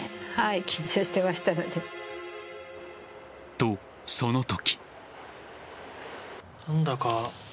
と、その時。